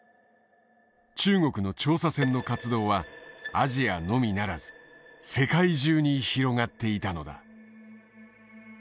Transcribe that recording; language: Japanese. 中国の調査船の活動はアジアのみならず世界中に広がっていたのだ。